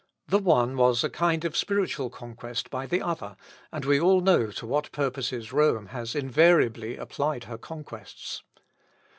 The one was a kind of spiritual conquest by the other, and we all know to what purposes Rome has invariably applied her conquests.